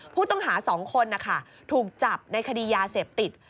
ผู้ต้องหา๒คนนะคะถูกจับในคดียาเสพติด